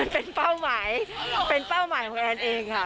เป็นเป้าหมายเป็นเป้าหมายของแอนเองค่ะ